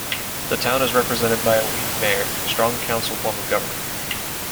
The town is represented by a weak mayor - strong council form of government.